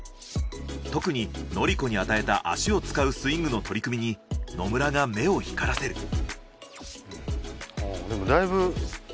特に宜子に与えた脚を使うスイングの取り組みに野村が目を光らせる。